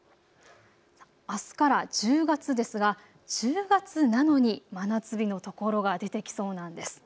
あすから１０月ですが１０月なのに真夏日の所が出てきそうなんです。